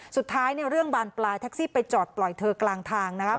สุดท้ายเนี่ยเรื่องบานปลายแท็กซี่ไปจอดปล่อยเธอกลางทางนะครับ